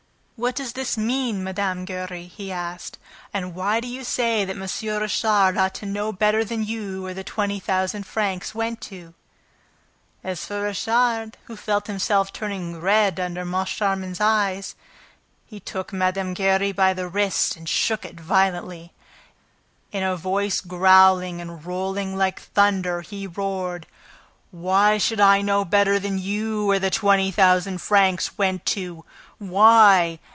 "What does this mean, Mme. Giry?" he asked. "And why do you say that M. Richard ought to know better than you where the twenty thousand francs went to?" As for Richard, who felt himself turning red under Moncharmin's eyes, he took Mme. Giry by the wrist and shook it violently. In a voice growling and rolling like thunder, he roared: "Why should I know better than you where the twenty thousand francs went to? Why?